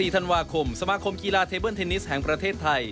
ธันวาคมสมาคมกีฬาเทเบิ้ลเทนนิสแห่งประเทศไทย